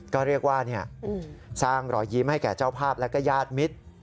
ก็เรียกว่าสร้างรอยยิ้มให้แก่เจ้าภาพและก็ญาติมิตร